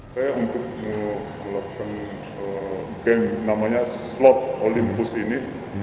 saya untuk melakukan game namanya slot olympus ini